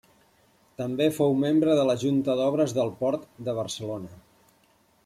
També fou membre de la Junta d'Obres del Port de Barcelona.